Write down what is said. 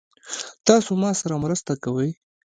تاسو ما سره مرسته کوئ؟